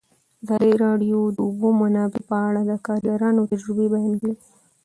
ازادي راډیو د د اوبو منابع په اړه د کارګرانو تجربې بیان کړي.